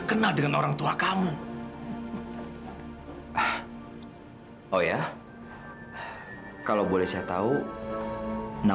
dia sangat mengharapkan sekali kedatangan